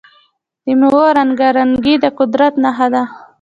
د میوو رنګارنګي د قدرت نښه ده.